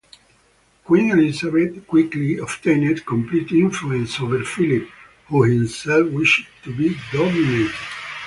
Queen Elisabeth quickly obtained complete influence over Philip, who himself wished to be dominated.